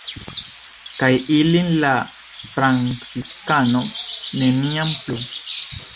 Kaj ilin la franciskano neniam plu!